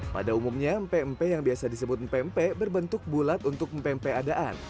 pada umumnya mpe mpe yang biasa disebut mpe mpe berbentuk bulat untuk mpe mpe adaan